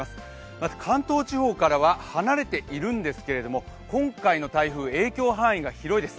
まず関東地方からは離れているんですけれども今回の台風、影響範囲が広いです。